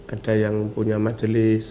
ada yang punya majelis